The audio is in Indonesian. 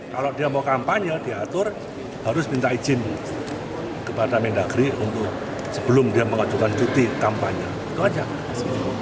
kalau dia mau kampanye diatur harus minta izin kepada mendagri untuk sebelum dia mengajukan cuti kampanye itu aja